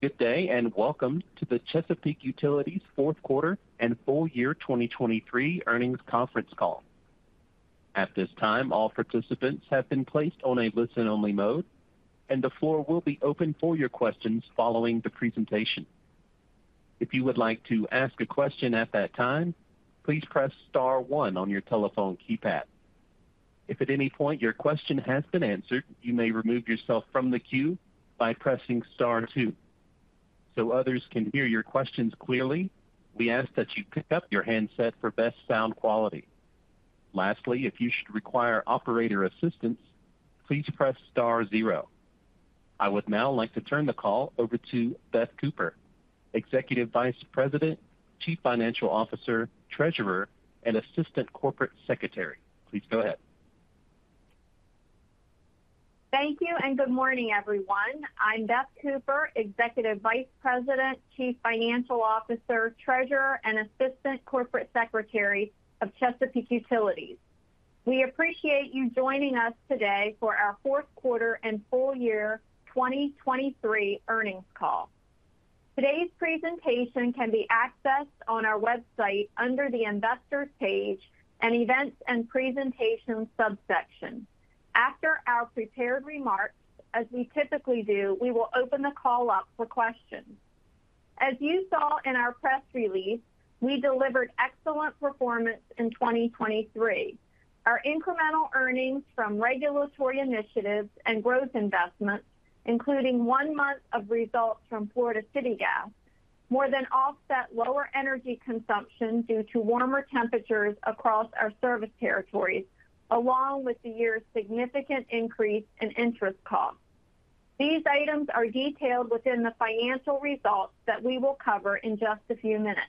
Good day, and welcome to the Chesapeake Utilities fourth quarter and full year 2023 earnings conference call. At this time, all participants have been placed on a listen-only mode, and the floor will be open for your questions following the presentation. If you would like to ask a question at that time, please press star one on your telephone keypad. If at any point your question has been answered, you may remove yourself from the queue by pressing star two. So others can hear your questions clearly, we ask that you pick up your handset for best sound quality. Lastly, if you should require operator assistance, please press star zero. I would now like to turn the call over to Beth Cooper, Executive Vice President, Chief Financial Officer, Treasurer, and Assistant Corporate Secretary. Please go ahead. Thank you, and good morning, everyone. I'm Beth Cooper, Executive Vice President, Chief Financial Officer, Treasurer, and Assistant Corporate Secretary of Chesapeake Utilities. We appreciate you joining us today for our fourth quarter and full year 2023 earnings call. Today's presentation can be accessed on our website under the Investors page and Events and Presentations subsection. After our prepared remarks, as we typically do, we will open the call up for questions. As you saw in our press release, we delivered excellent performance in 2023. Our incremental earnings from regulatory initiatives and growth investments, including one month of results from Florida City Gas, more than offset lower energy consumption due to warmer temperatures across our service territories, along with the year's significant increase in interest costs. These items are detailed within the financial results that we will cover in just a few minutes.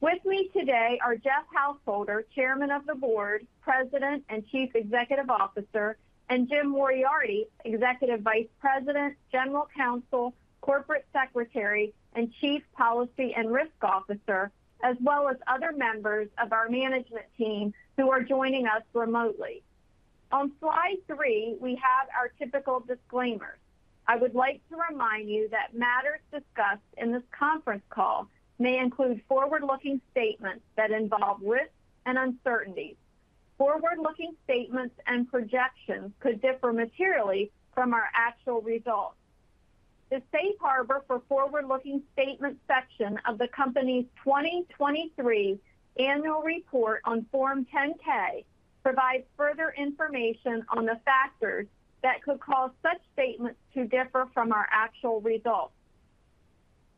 With me today are Jeff Householder, Chairman of the Board, President, and Chief Executive Officer, and Jim Moriarty, Executive Vice President, General Counsel, Corporate Secretary, and Chief Policy and Risk Officer, as well as other members of our management team who are joining us remotely. On slide three, we have our typical disclaimer. I would like to remind you that matters discussed in this conference call may include forward-looking statements that involve risks and uncertainties. Forward-looking statements and projections could differ materially from our actual results. The Safe Harbor for Forward-Looking Statements section of the company's 2023 annual report on Form 10-K provides further information on the factors that could cause such statements to differ from our actual results.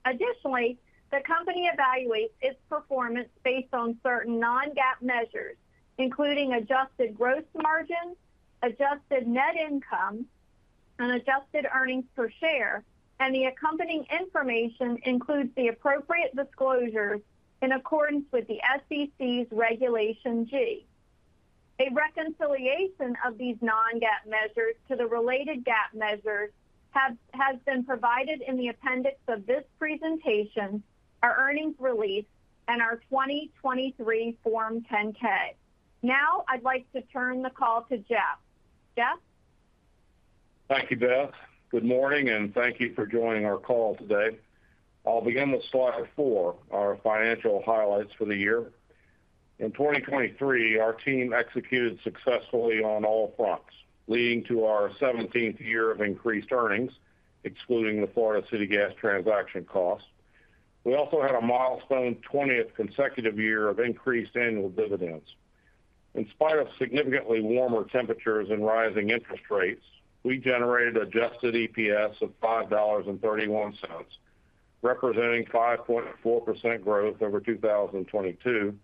Additionally, the company evaluates its performance based on certain non-GAAP measures, including adjusted gross margin, adjusted net income, and adjusted earnings per share, and the accompanying information includes the appropriate disclosures in accordance with the SEC's Regulation G. A reconciliation of these non-GAAP measures to the related GAAP measures has been provided in the appendix of this presentation, our earnings release, and our 2023 Form 10-K. Now, I'd like to turn the call to Jeff. Jeff? Thank you, Beth. Good morning, and thank you for joining our call today. I'll begin with slide four, our financial highlights for the year. In 2023, our team executed successfully on all fronts, leading to our 17th year of increased earnings, excluding the Florida City Gas transaction costs. We also had a milestone 20th consecutive year of increased annual dividends. In spite of significantly warmer temperatures and rising interest rates, we generated adjusted EPS of $5.31, representing 5.4% growth over 2022,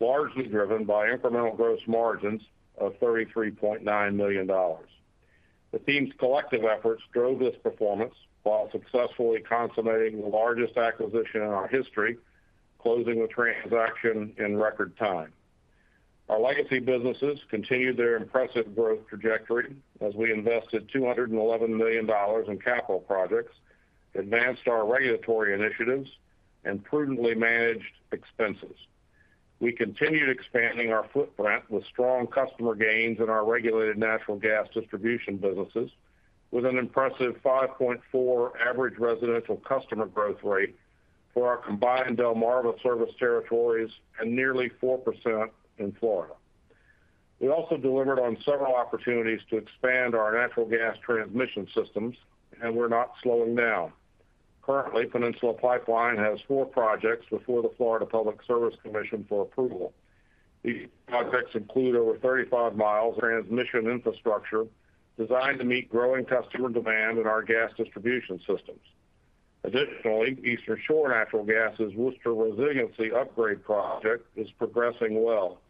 largely driven by incremental gross margins of $33.9 million. The team's collective efforts drove this performance while successfully consummating the largest acquisition in our history, closing the transaction in record time. Our legacy businesses continued their impressive growth trajectory as we invested $211 million in capital projects, advanced our regulatory initiatives, and prudently managed expenses. We continued expanding our footprint with strong customer gains in our regulated natural gas distribution businesses, with an impressive 5.4 average residential customer growth rate for our combined Delmarva service territories and nearly 4% in Florida. We also delivered on several opportunities to expand our natural gas transmission systems, and we're not slowing down. Currently, Peninsula Pipeline has four projects before the Florida Public Service Commission for approval. These projects include over 35 miles of transmission infrastructure designed to meet growing customer demand in our gas distribution systems. Additionally, Eastern Shore Natural Gas's Worcester Resiliency Upgrade Project is progressing well.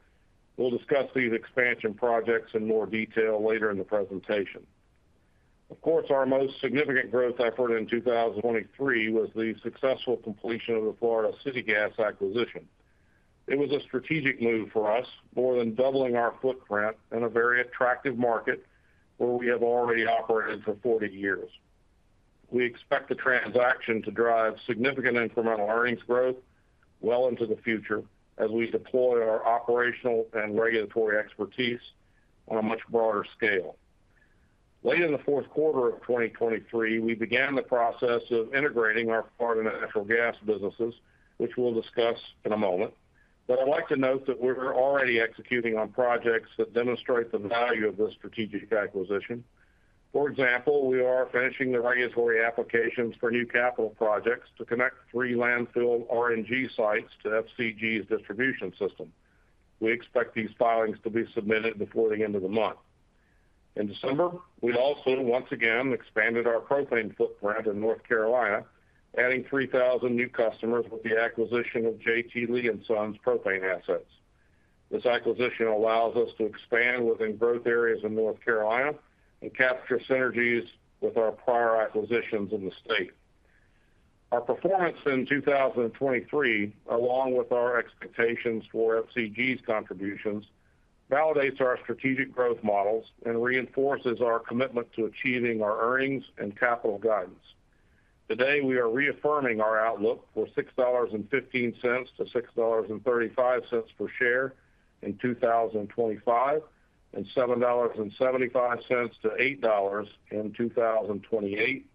We'll discuss these expansion projects in more detail later in the presentation. Of course, our most significant growth effort in 2023 was the successful completion of the Florida City Gas acquisition. It was a strategic move for us, more than doubling our footprint in a very attractive market where we have already operated for 40 years. We expect the transaction to drive significant incremental earnings growth well into the future as we deploy our operational and regulatory expertise. On a much broader scale. Late in the fourth quarter of 2023, we began the process of integrating our Florida Natural Gas businesses, which we'll discuss in a moment. But I'd like to note that we're already executing on projects that demonstrate the value of this strategic acquisition. For example, we are finishing the regulatory applications for new capital projects to connect three landfill RNG sites to FCG's distribution system. We expect these filings to be submitted before the end of the month. In December, we also once again expanded our propane footprint in North Carolina, adding 3,000 new customers with the acquisition of J.T. Lee & Sons propane assets. This acquisition allows us to expand within growth areas of North Carolina and capture synergies with our prior acquisitions in the state. Our performance in 2023, along with our expectations for FCG's contributions, validates our strategic growth models and reinforces our commitment to achieving our earnings and capital guidance. Today, we are reaffirming our outlook for $6.15-$6.35 per share in 2025, and $7.75-$8 in 2028,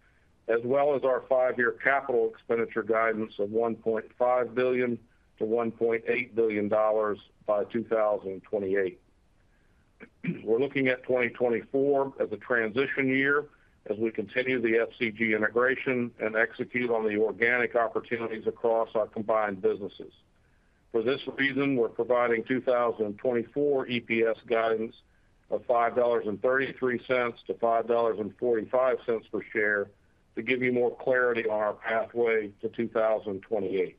as well as our five-year capital expenditure guidance of $1.5 billion-$1.8 billion by 2028. We're looking at 2024 as a transition year as we continue the FCG integration and execute on the organic opportunities across our combined businesses. For this reason, we're providing 2024 EPS guidance of $5.33-$5.45 per share to give you more clarity on our pathway to 2028.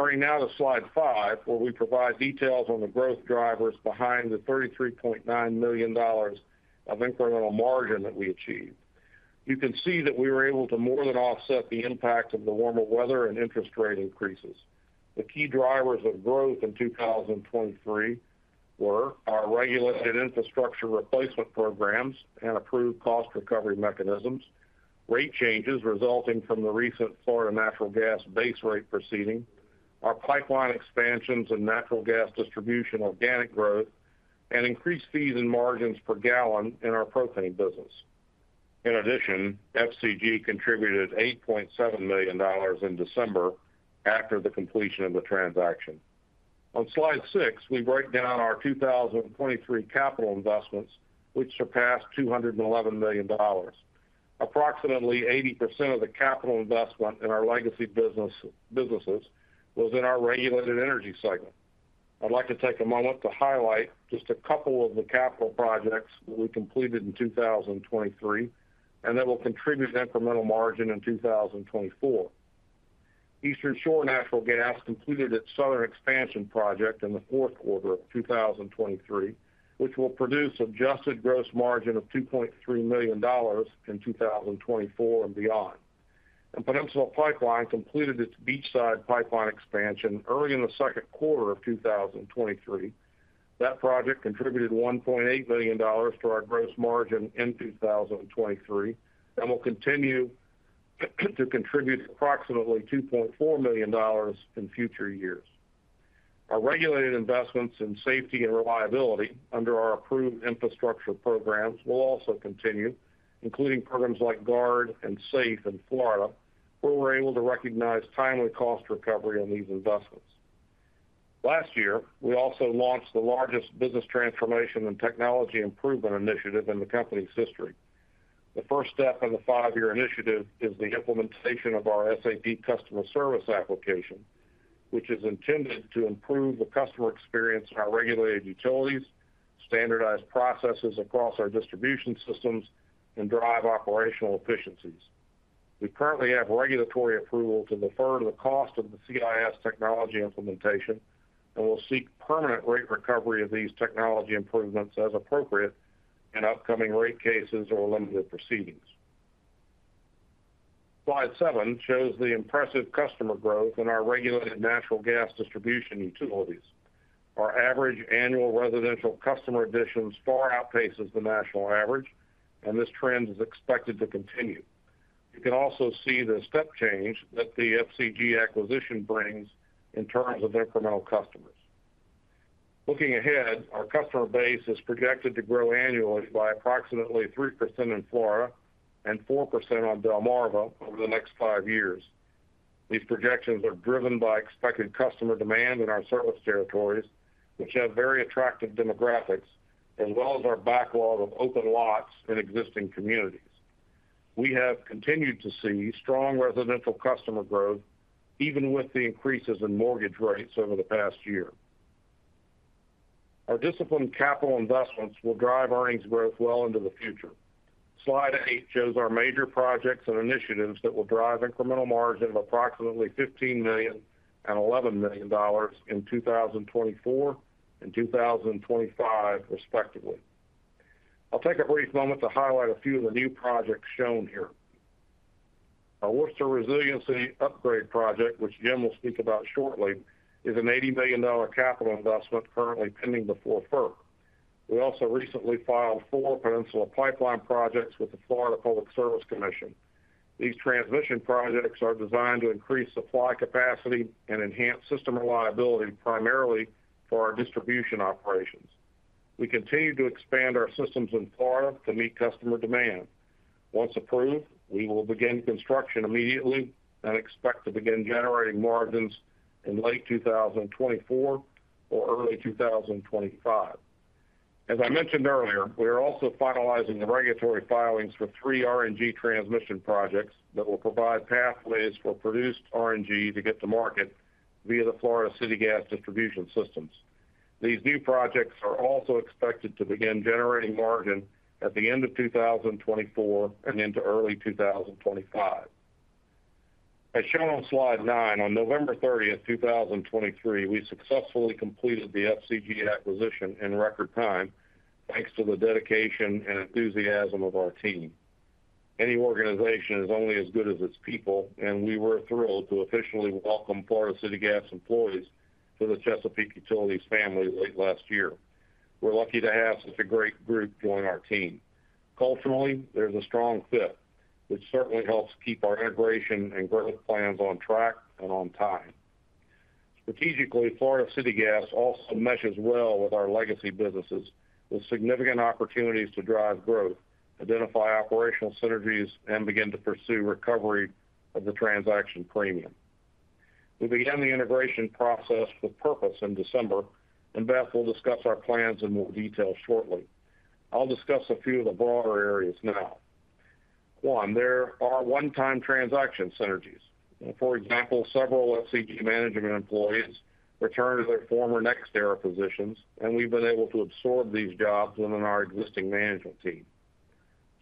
Turning now to slide five, where we provide details on the growth drivers behind the $33.9 million of incremental margin that we achieved. You can see that we were able to more than offset the impact of the warmer weather and interest rate increases. The key drivers of growth in 2023 were our regulated infrastructure replacement programs and approved cost recovery mechanisms, rate changes resulting from the recent Florida Natural Gas base rate proceeding, our pipeline expansions and natural gas distribution organic growth, and increased fees and margins per gallon in our propane business. In addition, FCG contributed $8.7 million in December after the completion of the transaction. On slide six, we break down our 2023 capital investments, which surpassed $211 million. Approximately 80% of the capital investment in our legacy businesses was in our regulated energy segment. I'd like to take a moment to highlight just a couple of the capital projects that we completed in 2023, and that will contribute to incremental margin in 2024. Eastern Shore Natural Gas completed its Southern Expansion Project in the fourth quarter of 2023, which will produce adjusted gross margin of $2.3 million in 2024 and beyond. Peninsula Pipeline completed its Beachside Pipeline expansion early in the second quarter of 2023. That project contributed $1.8 million to our gross margin in 2023, and will continue to contribute approximately $2.4 million in future years. Our regulated investments in safety and reliability under our approved infrastructure programs will also continue, including programs like GUARD and SAFE in Florida, where we're able to recognize timely cost recovery on these investments. Last year, we also launched the largest business transformation and technology improvement initiative in the company's history. The first step in the five-year initiative is the implementation of our SAP customer service application, which is intended to improve the customer experience in our regulated utilities, standardize processes across our distribution systems, and drive operational efficiencies. We currently have regulatory approval to defer the cost of the CIS technology implementation, and we'll seek permanent rate recovery of these technology improvements as appropriate in upcoming rate cases or limited proceedings. Slide seven shows the impressive customer growth in our regulated natural gas distribution utilities. Our average annual residential customer additions far outpaces the national average, and this trend is expected to continue. You can also see the step change that the FCG acquisition brings in terms of incremental customers. Looking ahead, our customer base is projected to grow annually by approximately 3% in Florida and 4% on Delmarva over the next five years. These projections are driven by expected customer demand in our service territories, which have very attractive demographics, as well as our backlog of open lots in existing communities. We have continued to see strong residential customer growth, even with the increases in mortgage rates over the past year. Our disciplined capital investments will drive earnings growth well into the future. Slide eight shows our major projects and initiatives that will drive incremental margin of approximately $15 million and $11 million in 2024 and 2025, respectively. I'll take a brief moment to highlight a few of the new projects shown here. Our Worcester Resiliency Upgrade project, which Jim will speak about shortly, is an $80 million capital investment currently pending before FERC. We also recently filed four Peninsula Pipeline projects with the Florida Public Service Commission. These transmission projects are designed to increase supply capacity and enhance system reliability, primarily for our distribution operations. We continue to expand our systems in Florida to meet customer demand. Once approved, we will begin construction immediately and expect to begin generating margins in late 2024 or early 2025. As I mentioned earlier, we are also finalizing the regulatory filings for three RNG transmission projects that will provide pathways for produced RNG to get to market via the Florida City Gas distribution systems. These new projects are also expected to begin generating margin at the end of 2024 and into early 2025. As shown on slide nine, on November 30th, 2023, we successfully completed the FCG acquisition in record time, thanks to the dedication and enthusiasm of our team. Any organization is only as good as its people, and we were thrilled to officially welcome Florida City Gas employees to the Chesapeake Utilities family late last year. We're lucky to have such a great group join our team. Culturally, there's a strong fit, which certainly helps keep our integration and growth plans on track and on time. Strategically, Florida City Gas also meshes well with our legacy businesses, with significant opportunities to drive growth, identify operational synergies, and begin to pursue recovery of the transaction premium. We began the integration process with purpose in December, and Beth will discuss our plans in more detail shortly. I'll discuss a few of the broader areas now. One, there are one-time transaction synergies. For example, several FCG management employees returned to their former NextEra positions, and we've been able to absorb these jobs within our existing management team.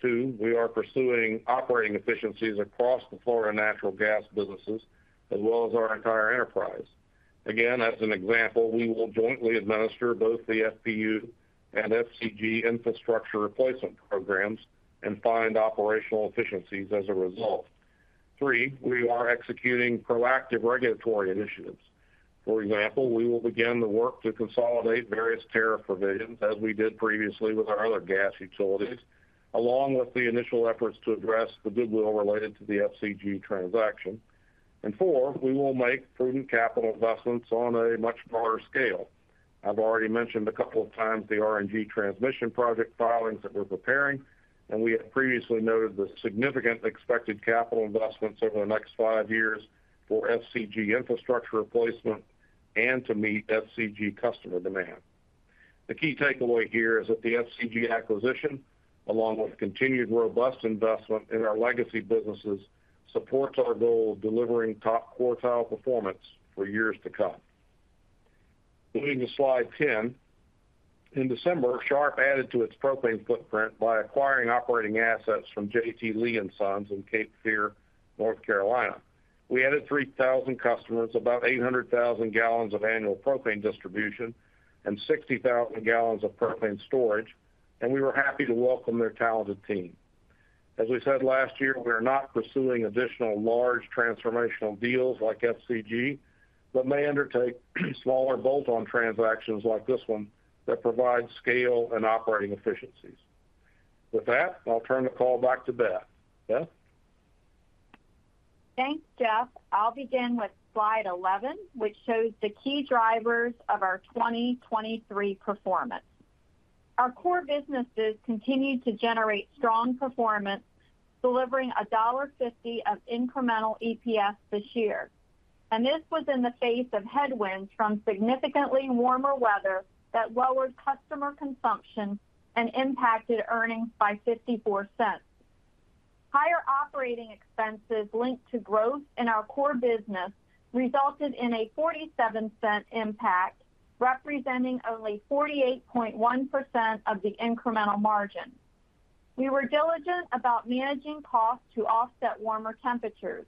Two, we are pursuing operating efficiencies across the Florida Natural Gas businesses, as well as our entire enterprise. Again, as an example, we will jointly administer both the FPU and FCG infrastructure replacement programs and find operational efficiencies as a result. Three, we are executing proactive regulatory initiatives. For example, we will begin the work to consolidate various tariff provisions, as we did previously with our other gas utilities, along with the initial efforts to address the goodwill related to the FCG transaction. And four, we will make prudent capital investments on a much broader scale. I've already mentioned a couple of times the RNG transmission project filings that we're preparing, and we have previously noted the significant expected capital investments over the next five years for FCG infrastructure replacement and to meet FCG customer demand. The key takeaway here is that the FCG acquisition, along with continued robust investment in our legacy businesses, supports our goal of delivering top quartile performance for years to come. Moving to slide 10. In December, Sharp added to its propane footprint by acquiring operating assets from J.T. Lee & Sons in Cape Fear, North Carolina. We added 3,000 customers, about 800,000 gallons of annual propane distribution and 60,000 gallons of propane storage, and we were happy to welcome their talented team. As we said last year, we are not pursuing additional large transformational deals like FCG, but may undertake smaller bolt-on transactions like this one that provide scale and operating efficiencies. With that, I'll turn the call back to Beth. Beth? Thanks, Jeff. I'll begin with slide 11, which shows the key drivers of our 2023 performance. Our core businesses continued to generate strong performance, delivering $1.50 of incremental EPS this year, and this was in the face of headwinds from significantly warmer weather that lowered customer consumption and impacted earnings by $0.54. Higher operating expenses linked to growth in our core business resulted in a $0.47 impact, representing only 48.1% of the incremental margin. We were diligent about managing costs to offset warmer temperatures.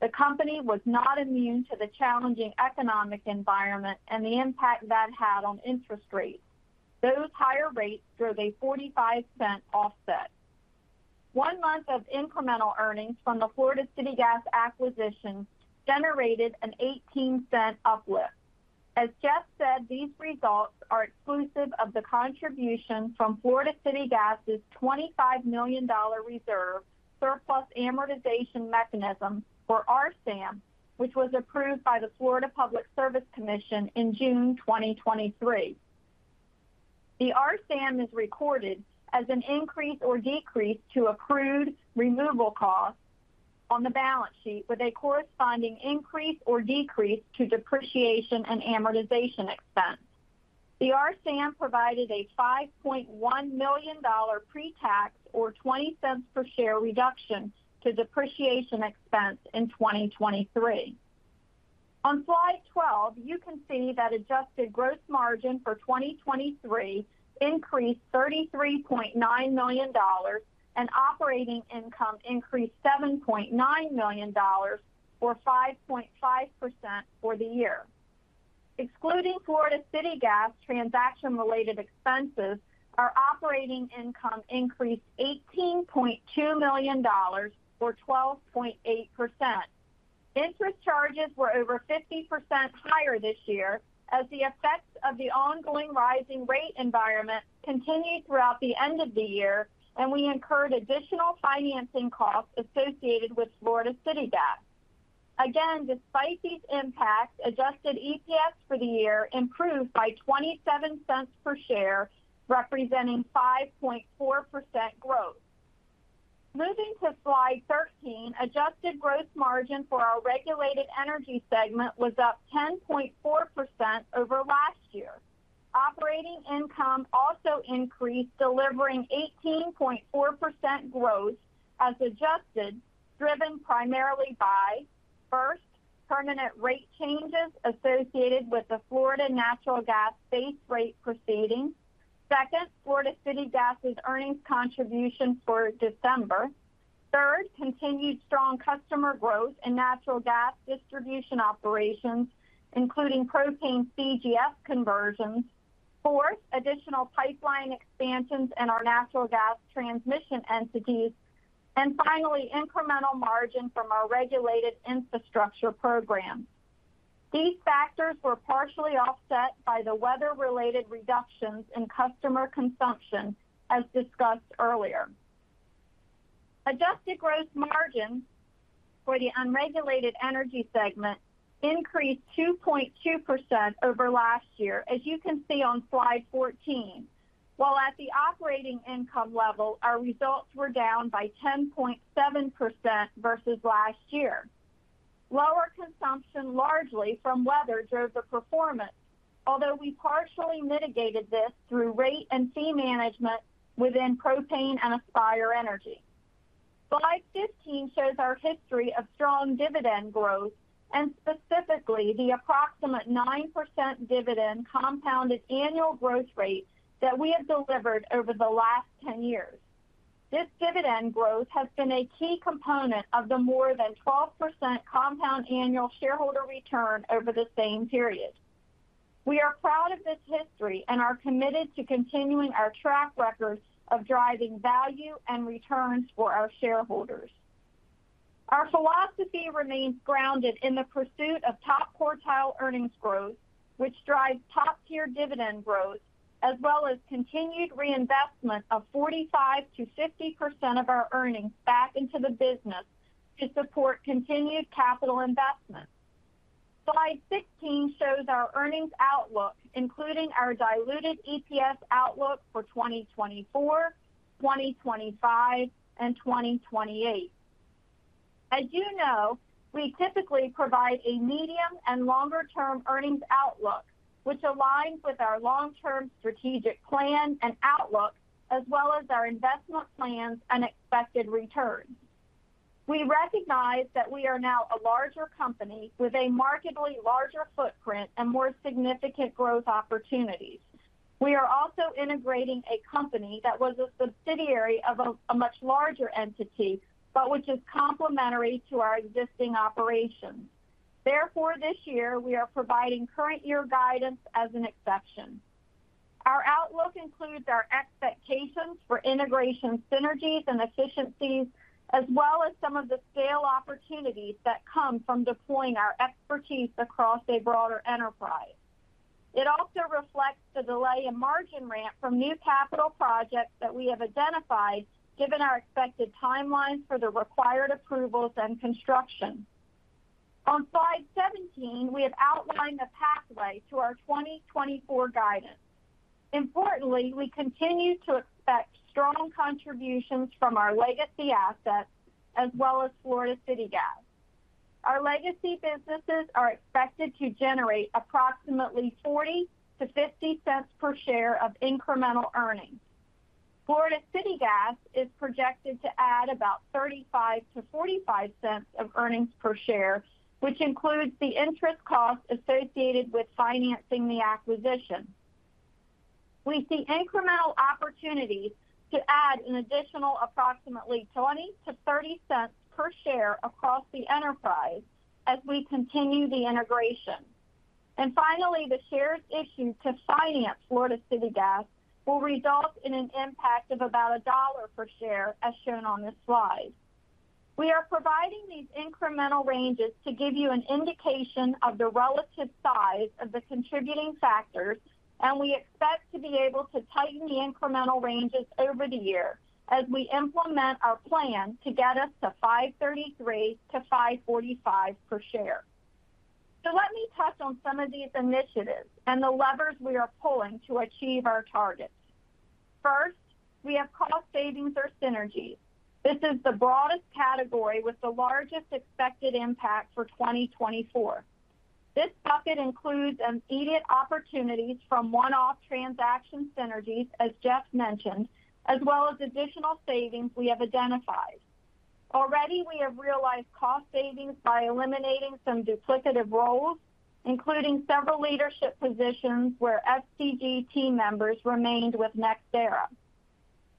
The company was not immune to the challenging economic environment and the impact that had on interest rates. Those higher rates drove a $0.45 offset. One month of incremental earnings from the Florida City Gas acquisition generated a $0.18 uplift. As Jeff said, these results are exclusive of the contribution from Florida City Gas's $25 million Reserve Surplus Amortization Mechanism or RSAM, which was approved by the Florida Public Service Commission in June 2023. The RSAM is recorded as an increase or decrease to accrued removal costs on the balance sheet, with a corresponding increase or decrease to depreciation and amortization expense. The RSAM provided a $5.1 million pre-tax or $0.20 per share reduction to depreciation expense in 2023. On slide 12, you can see that adjusted gross margin for 2023 increased $33.9 million, and operating income increased $7.9 million or 5.5% for the year. Excluding Florida City Gas transaction-related expenses, our operating income increased $18.2 million or 12.8%. Interest charges were over 50% higher this year as the effects of the ongoing rising rate environment continued throughout the end of the year, and we incurred additional financing costs associated with Florida City Gas. Again, despite these impacts, adjusted EPS for the year improved by $0.27 per share, representing 5.4% growth. Moving to slide 13, adjusted gross margin for our regulated energy segment was up 10.4% over last year. Operating income also increased, delivering 18.4% growth as adjusted, driven primarily by, first, permanent rate changes associated with the Florida Natural Gas Base Rate proceeding. Second, Florida City Gas's earnings contribution for December. Third, continued strong customer growth in natural gas distribution operations, including propane CGS conversions. Fourth, additional pipeline expansions in our natural gas transmission entities, and finally, incremental margin from our regulated infrastructure program. These factors were partially offset by the weather-related reductions in customer consumption, as discussed earlier. Adjusted gross margin for the unregulated energy segment increased 2.2% over last year, as you can see on slide 14. While at the operating income level, our results were down by 10.7% versus last year. Lower consumption, largely from weather, drove the performance, although we partially mitigated this through rate and fee management within propane and Aspire Energy. Slide 15 shows our history of strong dividend growth and specifically the approximate 9% dividend compounded annual growth rate that we have delivered over the last 10 years. This dividend growth has been a key component of the more than 12% compound annual shareholder return over the same period. We are proud of this history and are committed to continuing our track record of driving value and returns for our shareholders. Our philosophy remains grounded in the pursuit of top-quartile earnings growth, which drives top-tier dividend growth, as well as continued reinvestment of 45%-50% of our earnings back into the business to support continued capital investment. Slide 16 shows our earnings outlook, including our diluted EPS outlook for 2024, 2025, and 2028. As you know, we typically provide a medium and longer-term earnings outlook, which aligns with our long-term strategic plan and outlook, as well as our investment plans and expected returns. We recognize that we are now a larger company with a markedly larger footprint and more significant growth opportunities. We are also integrating a company that was a subsidiary of a much larger entity, but which is complementary to our existing operations. Therefore, this year we are providing current year guidance as an exception. Our outlook includes our expectations for integration synergies and efficiencies, as well as some of the scale opportunities that come from deploying our expertise across a broader enterprise. It also reflects the delay in margin ramp from new capital projects that we have identified, given our expected timelines for the required approvals and construction. On slide 17, we have outlined the pathway to our 2024 guidance. Importantly, we continue to expect strong contributions from our legacy assets as well as Florida City Gas. Our legacy businesses are expected to generate approximately $0.40-$0.50 per share of incremental earnings. Florida City Gas is projected to add about $0.35-$0.45 of earnings per share, which includes the interest cost associated with financing the acquisition. We see incremental opportunities to add an additional approximately $0.20-$0.30 per share across the enterprise as we continue the integration. And finally, the shares issued to finance Florida City Gas will result in an impact of about $1 per share, as shown on this slide. We are providing these incremental ranges to give you an indication of the relative size of the contributing factors, and we expect to be able to tighten the incremental ranges over the year as we implement our plan to get us to $5.33-$5.45 per share. So let me touch on some of these initiatives and the levers we are pulling to achieve our targets. First, we have cost savings or synergies. This is the broadest category with the largest expected impact for 2024. This bucket includes immediate opportunities from one-off transaction synergies, as Jeff mentioned, as well as additional savings we have identified. Already, we have realized cost savings by eliminating some duplicative roles, including several leadership positions where FCG team members remained with NextEra.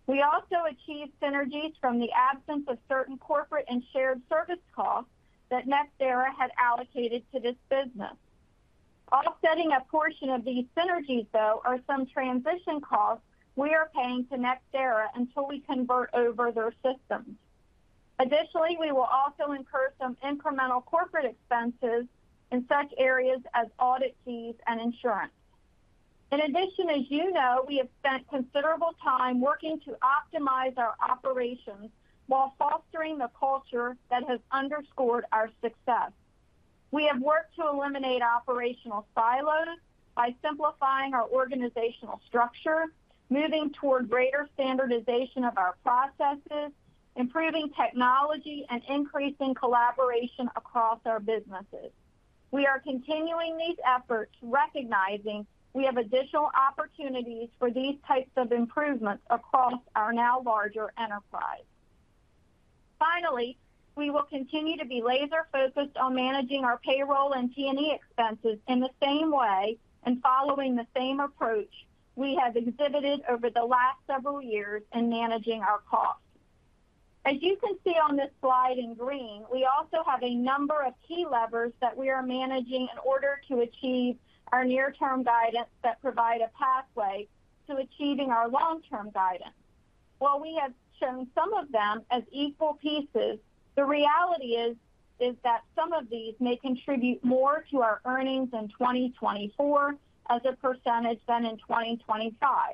We also achieved synergies from the absence of certain corporate and shared service costs that NextEra had allocated to this business. Offsetting a portion of these synergies, though, are some transition costs we are paying to NextEra until we convert over their systems. Additionally, we will also incur some incremental corporate expenses in such areas as audit fees and insurance. In addition, as you know, we have spent considerable time working to optimize our operations while fostering the culture that has underscored our success. We have worked to eliminate operational silos by simplifying our organizational structure, moving toward greater standardization of our processes, improving technology, and increasing collaboration across our businesses. We are continuing these efforts, recognizing we have additional opportunities for these types of improvements across our now larger enterprise. Finally, we will continue to be laser-focused on managing our payroll and T&E expenses in the same way and following the same approach we have exhibited over the last several years in managing our costs. As you can see on this slide in green, we also have a number of key levers that we are managing in order to achieve our near-term guidance that provide a pathway to achieving our long-term guidance. While we have shown some of them as equal pieces, the reality is, is that some of these may contribute more to our earnings in 2024 as a percentage than in 2025,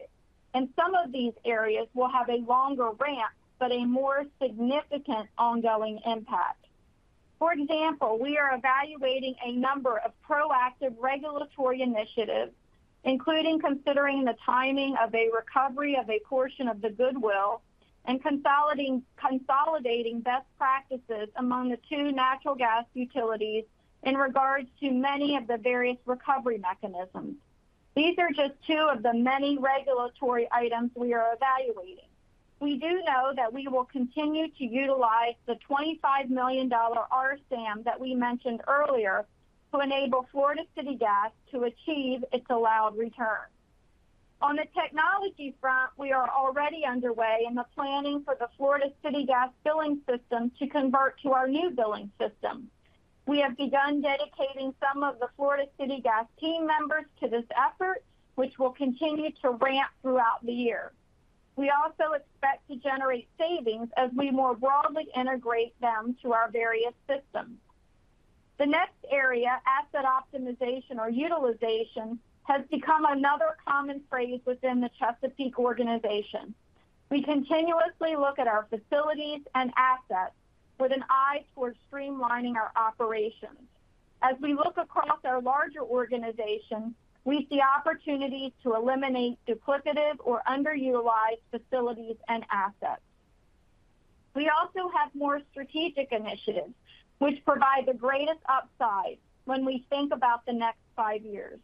and some of these areas will have a longer ramp, but a more significant ongoing impact. For example, we are evaluating a number of proactive regulatory initiatives, including considering the timing of a recovery of a portion of the goodwill and consolidating, consolidating best practices among the two natural gas utilities in regards to many of the various recovery mechanisms. These are just two of the many regulatory items we are evaluating. We do know that we will continue to utilize the $25 million RSAM that we mentioned earlier to enable Florida City Gas to achieve its allowed return. On the technology front, we are already underway in the planning for the Florida City Gas billing system to convert to our new billing system. We have begun dedicating some of the Florida City Gas team members to this effort, which will continue to ramp throughout the year. We also expect to generate savings as we more broadly integrate them to our various systems. The next area, asset optimization or utilization, has become another common phrase within the Chesapeake organization. We continuously look at our facilities and assets with an eye toward streamlining our operations. As we look across our larger organization, we see opportunities to eliminate duplicative or underutilized facilities and assets. We also have more strategic initiatives, which provide the greatest upside when we think about the next five years.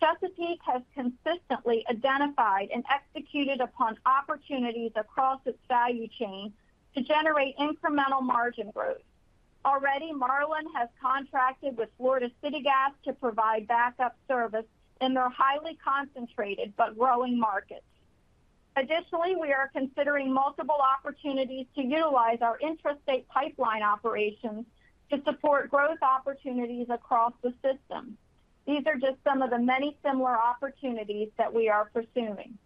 Chesapeake has consistently identified and executed upon opportunities across its value chain to generate incremental margin growth. Already, Marlin has contracted with Florida City Gas to provide backup service in their highly concentrated but growing markets. Additionally, we are considering multiple opportunities to utilize our intrastate pipeline operations to support growth opportunities across the system. These are just some of the many similar opportunities that we are pursuing.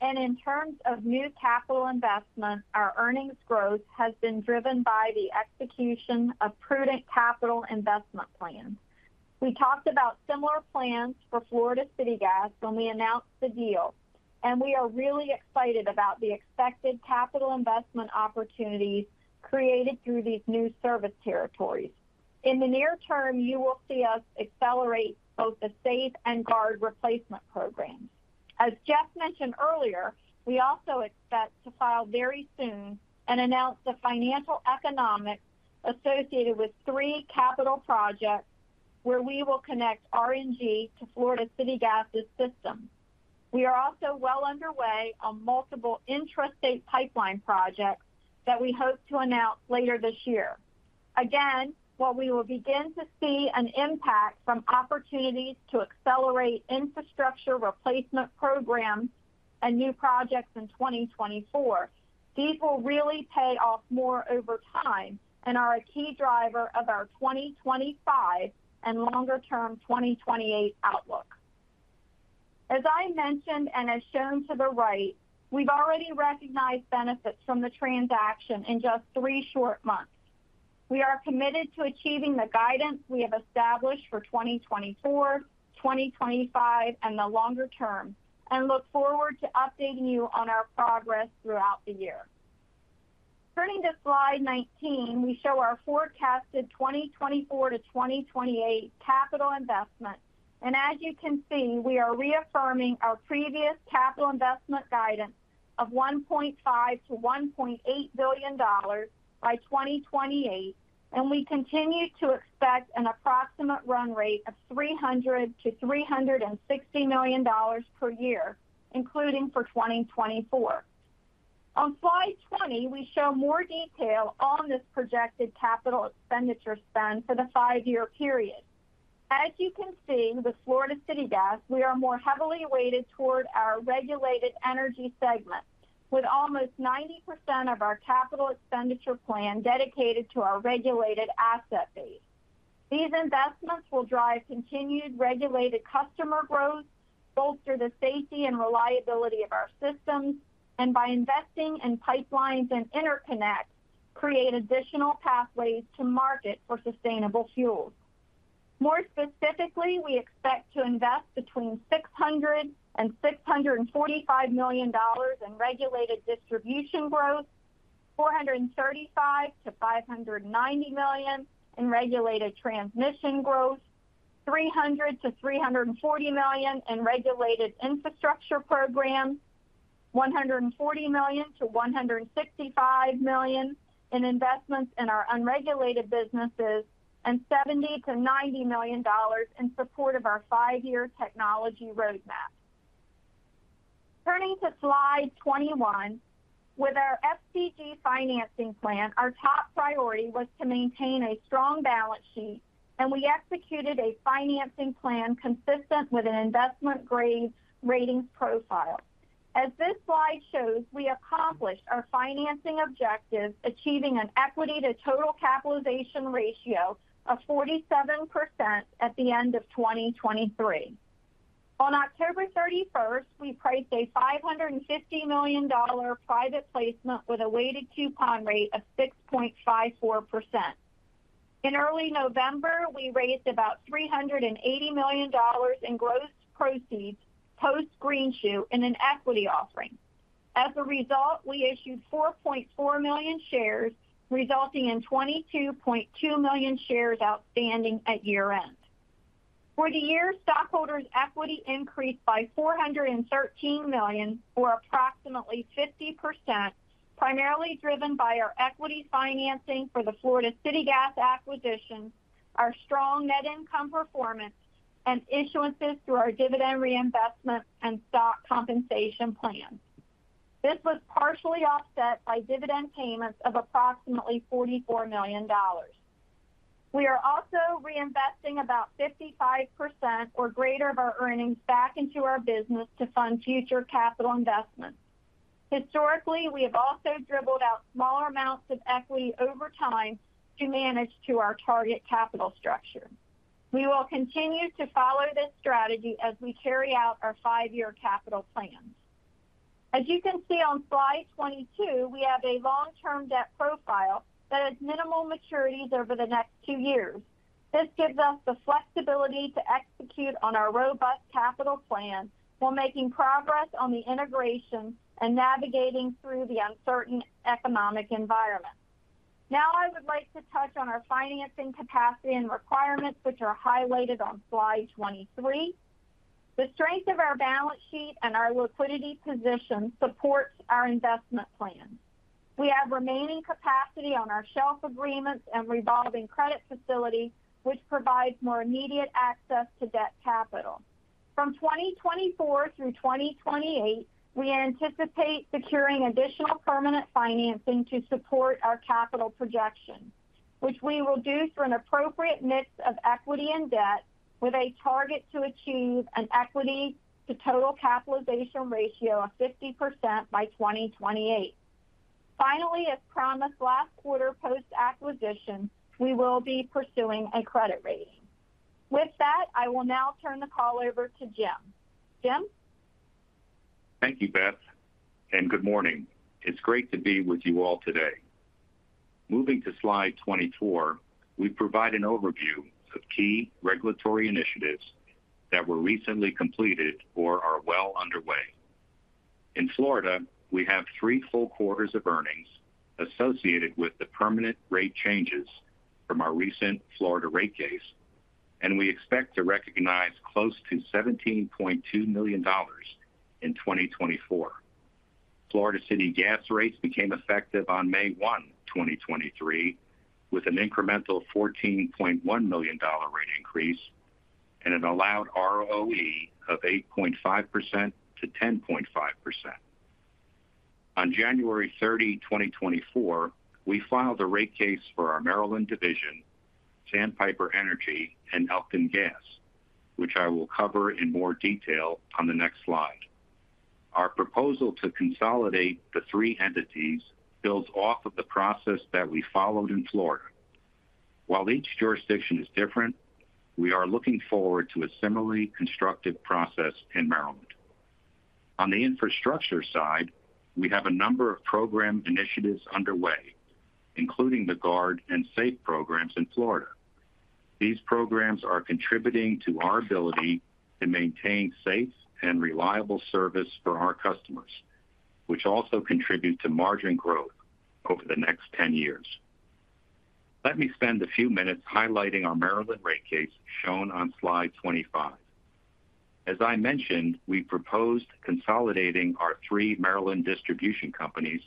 In terms of new capital investment, our earnings growth has been driven by the execution of prudent capital investment plans. We talked about similar plans for Florida City Gas when we announced the deal, and we are really excited about the expected capital investment opportunities created through these new service territories. In the near term, you will see us accelerate both the SAFE and GUARD replacement programs. As Jeff mentioned earlier, we also expect to file very soon and announce the financial economics associated with three capital projects where we will connect RNG to Florida City Gas's system. We are also well underway on multiple intrastate pipeline projects that we hope to announce later this year. Again, while we will begin to see an impact from opportunities to accelerate infrastructure replacement programs and new projects in 2024, these will really pay off more over time and are a key driver of our 2025 and longer-term 2028 outlook. As I mentioned, and as shown to the right, we've already recognized benefits from the transaction in just three short months. We are committed to achieving the guidance we have established for 2024, 2025, and the longer term, and look forward to updating you on our progress throughout the year. Turning to slide 19, we show our forecasted 2024 to 2028 capital investment, and as you can see, we are reaffirming our previous capital investment guidance of $1.5-$1.8 billion by 2028, and we continue to expect an approximate run rate of $300-$360 million per year, including for 2024. On slide 20, we show more detail on this projected capital expenditure spend for the five-year period. As you can see, with Florida City Gas, we are more heavily weighted toward our regulated energy segment. With almost 90% of our capital expenditure plan dedicated to our regulated asset base. These investments will drive continued regulated customer growth, bolster the safety and reliability of our systems, and by investing in pipelines and interconnect, create additional pathways to market for sustainable fuels. More specifically, we expect to invest between $600 million and $645 million in regulated distribution growth, $435 million-$590 million in regulated transmission growth, $300-$340 million in regulated infrastructure programs, $140 million-$165 million in investments in our unregulated businesses, and $70-$90 million in support of our five-year technology roadmap. Turning to slide 21, with our SPG financing plan, our top priority was to maintain a strong balance sheet, and we executed a financing plan consistent with an investment-grade rating profile. As this slide shows, we accomplished our financing objectives, achieving an equity to total capitalization ratio of 47% at the end of 2023. On October 31st, we priced a $550 million private placement with a weighted coupon rate of 6.54%. In early November, we raised about $380 million in gross proceeds post-green shoe in an equity offering. As a result, we issued 4.4 million shares, resulting in 22.2 million shares outstanding at year-end. For the year, stockholders' equity increased by $413 million, or approximately 50%, primarily driven by our equity financing for the Florida City Gas acquisition, our strong net income performance, and issuances through our dividend reinvestment and stock compensation plan. This was partially offset by dividend payments of approximately $44 million. We are also reinvesting about 55% or greater of our earnings back into our business to fund future capital investments. Historically, we have also dribbled out smaller amounts of equity over time to manage to our target capital structure. We will continue to follow this strategy as we carry out our five-year capital plan. As you can see on slide 22, we have a long-term debt profile that has minimal maturities over the next two years. This gives us the flexibility to execute on our robust capital plan while making progress on the integration and navigating through the uncertain economic environment. Now, I would like to touch on our financing capacity and requirements, which are highlighted on slide 23. The strength of our balance sheet and our liquidity position supports our investment plan. We have remaining capacity on our shelf agreements and revolving credit facility, which provides more immediate access to debt capital. From 2024 through 2028, we anticipate securing additional permanent financing to support our capital projections, which we will do through an appropriate mix of equity and debt, with a target to achieve an equity to total capitalization ratio of 50% by 2028. Finally, as promised last quarter, post-acquisition, we will be pursuing a credit rating. With that, I will now turn the call over to Jim. Jim? Thank you, Beth, and good morning. It's great to be with you all today. Moving to slide 24, we provide an overview of key regulatory initiatives that were recently completed or are well underway. In Florida, we have three full quarters of earnings associated with the permanent rate changes from our recent Florida rate case, and we expect to recognize close to $17.2 million in 2024. Florida City Gas rates became effective on May 1, 2023, with an incremental $14.1 million rate increase and an allowed ROE of 8.5%-10.5%. On January 30, 2024, we filed a rate case for our Maryland division, Sandpiper Energy and Elkton Gas, which I will cover in more detail on the next slide. Our proposal to consolidate the three entities builds off of the process that we followed in Florida. While each jurisdiction is different, we are looking forward to a similarly constructive process in Maryland. On the infrastructure side, we have a number of program initiatives underway, including the GUARD and SAFE programs in Florida. These programs are contributing to our ability to maintain safe and reliable service for our customers, which also contribute to margin growth over the next 10 years. Let me spend a few minutes highlighting our Maryland rate case, shown on slide 25. As I mentioned, we proposed consolidating our three Maryland distribution companies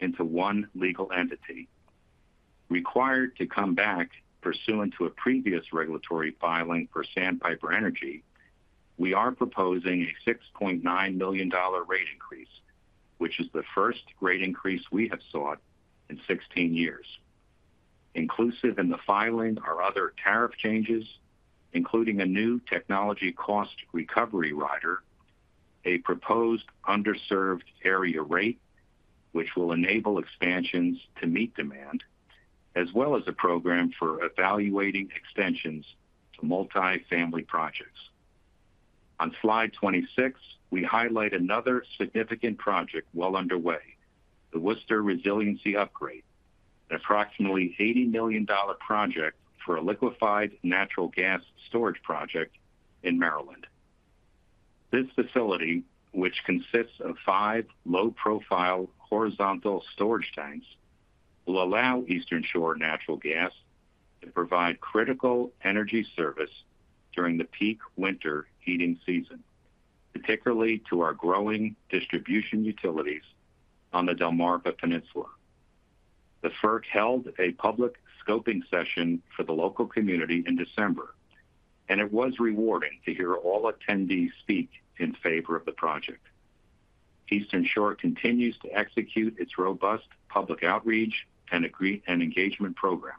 into one legal entity. Required to come back pursuant to a previous regulatory filing for Sandpiper Energy, we are proposing a $6.9 million rate increase, which is the first rate increase we have sought in 16 years. Inclusive in the filing are other tariff changes, including a new technology cost recovery rider, a proposed underserved area rate, which will enable expansions to meet demand, as well as a program for evaluating extensions to multifamily projects. On slide 26, we highlight another significant project well underway, the Worcester Resiliency Upgrade, an approximately $80 million project for a liquefied natural gas storage project in Maryland. This facility, which consists of five low-profile horizontal storage tanks, will allow Eastern Shore Natural Gas to provide critical energy service during the peak winter heating season, particularly to our growing distribution utilities on the Delmarva Peninsula. The FERC held a public scoping session for the local community in December, and it was rewarding to hear all attendees speak in favor of the project. Eastern Shore continues to execute its robust public outreach and engagement program,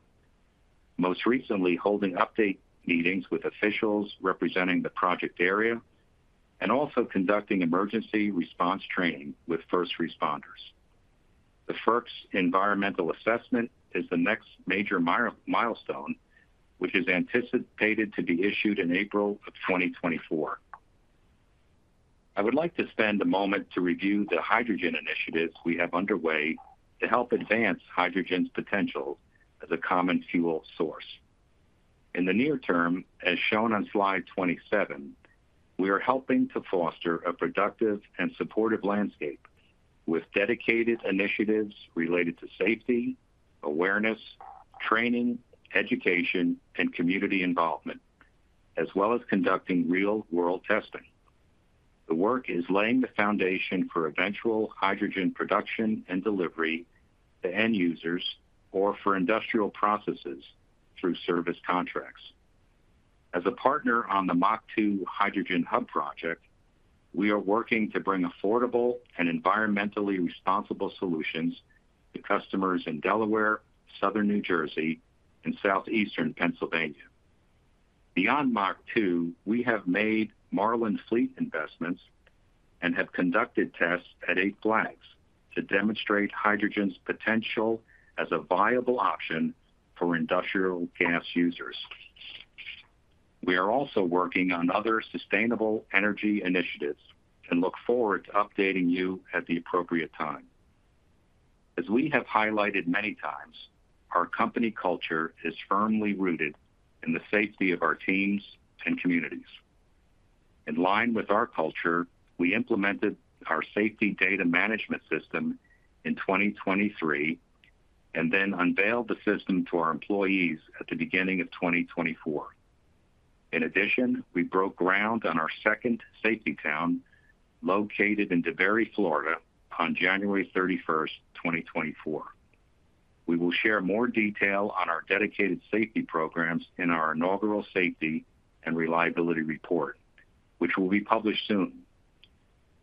most recently holding update meetings with officials representing the project area and also conducting emergency response training with first responders. The FERC's environmental assessment is the next major milestone, which is anticipated to be issued in April 2024. I would like to spend a moment to review the hydrogen initiatives we have underway to help advance hydrogen's potential as a common fuel source. In the near term, as shown on slide 27, we are helping to foster a productive and supportive landscape with dedicated initiatives related to safety, awareness, training, education, and community involvement, as well as conducting real-world testing. The work is laying the foundation for eventual hydrogen production and delivery to end users or for industrial processes through service contracts. As a partner on the MACH2 Hydrogen Hub project, we are working to bring affordable and environmentally responsible solutions to customers in Delaware, Southern New Jersey, and Southeastern Pennsylvania. Beyond MACH2, we have made Marlin Fleet investments and have conducted tests at Eight Flags to demonstrate hydrogen's potential as a viable option for industrial gas users. We are also working on other sustainable energy initiatives and look forward to updating you at the appropriate time. As we have highlighted many times, our company culture is firmly rooted in the safety of our teams and communities. In line with our culture, we implemented our safety data management system in 2023 and then unveiled the system to our employees at the beginning of 2024. In addition, we broke ground on our second Safety Town, located in DeBary, Florida, on January 31, 2024. We will share more detail on our dedicated safety programs in our inaugural Safety and Reliability Report, which will be published soon.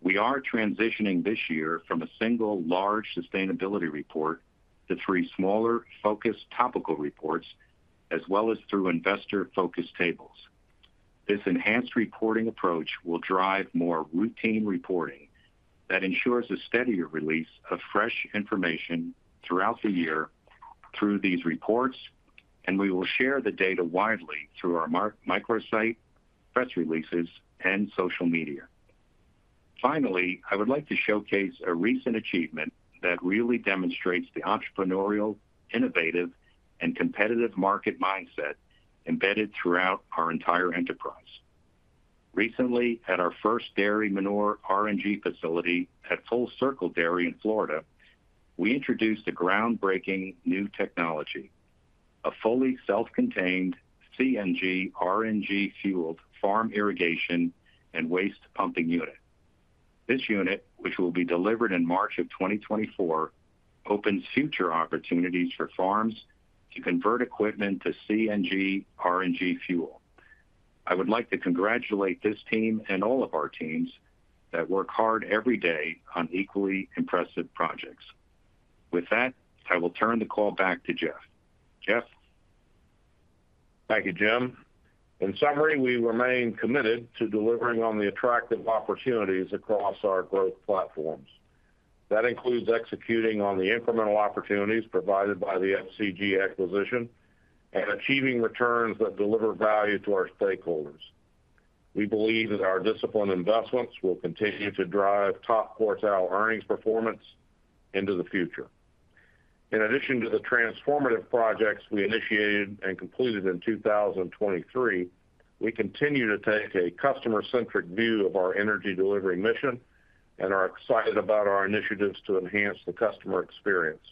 We are transitioning this year from a single large sustainability report to three smaller, focused topical reports, as well as through investor-focused tables. This enhanced reporting approach will drive more routine reporting that ensures a steadier release of fresh information throughout the year through these reports, and we will share the data widely through our microsite, press releases, and social media. Finally, I would like to showcase a recent achievement that really demonstrates the entrepreneurial, innovative, and competitive market mindset embedded throughout our entire enterprise. Recently, at our first dairy manure RNG facility at Full Circle Dairy in Florida, we introduced a groundbreaking new technology, a fully self-contained CNG, RNG-fueled farm irrigation and waste pumping unit. This unit, which will be delivered in March of 2024, opens future opportunities for farms to convert equipment to CNG, RNG fuel. I would like to congratulate this team and all of our teams that work hard every day on equally impressive projects. With that, I will turn the call back to Jeff. Jeff? Thank you, Jim. In summary, we remain committed to delivering on the attractive opportunities across our growth platforms. That includes executing on the incremental opportunities provided by the FCG acquisition and achieving returns that deliver value to our stakeholders. We believe that our disciplined investments will continue to drive top-quartile earnings performance into the future. In addition to the transformative projects, we initiated and completed in 2023, we continue to take a customer-centric view of our energy delivery mission and are excited about our initiatives to enhance the customer experience.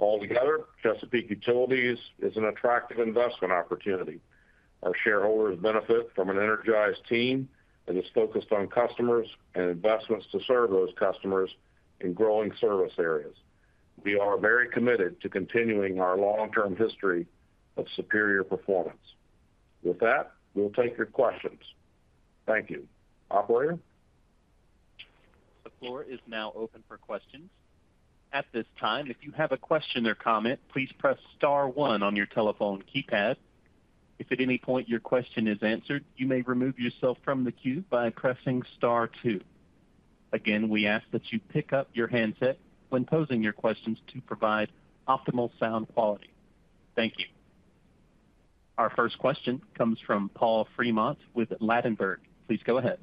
Altogether, Chesapeake Utilities is an attractive investment opportunity. Our shareholders benefit from an energized team that is focused on customers and investments to serve those customers in growing service areas. We are very committed to continuing our long-term history of superior performance. With that, we'll take your questions. Thank you. Operator? The floor is now open for questions. At this time, if you have a question or comment, please press star one on your telephone keypad. If at any point your question is answered, you may remove yourself from the queue by pressing star two. Again, we ask that you pick up your handset when posing your questions to provide optimal sound quality. Thank you. Our first question comes from Paul Fremont with Ladenburg. Please go ahead.